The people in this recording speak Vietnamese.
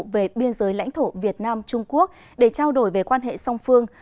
về biên giới lãnh thổ việt nam trung quốc để trao đổi về quan hệ song phương